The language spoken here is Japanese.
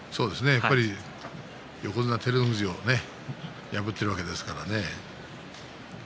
横綱照ノ富士を破っているわけですからね。